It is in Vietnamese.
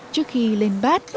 trước khi lên bát